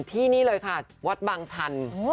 ที่นี่เลยค่ะวัดบางชัน